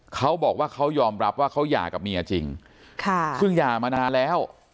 เขาบอกว่าเขายอมรับว่าเขาหย่ากับเมียจริงซึ่งหย่ามานานแล้ว